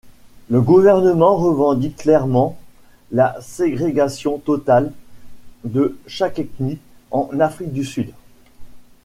Le gouvernement revendique clairement la ségrégation totale de chaque ethnie en Afrique du Sud.